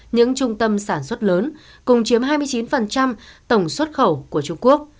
những trung tâm sản xuất lớn cùng chiếm hai mươi chín tổng xuất khẩu của trung quốc